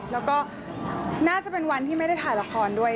แล้วก็น่าจะเป็นวันที่ไม่ได้ถ่ายละครด้วย